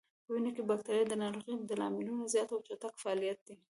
په وینه کې بکتریا د ناروغیو د لاملونو زیات او چټک فعالیت دی.